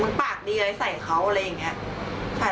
มึงปากดีไว้ใส่เขาอะไรอย่างเงี้ย